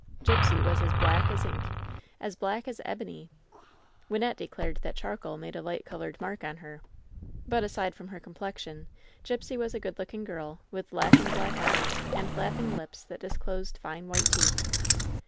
Gipsy was as black as ink, as black as ebony. Wynnette declared that charcoal made a light colored mark on her. But aside from her complexion, Gipsy was a good looking girl, with laughing black eyes, and laughing lips that disclosed fine white teeth.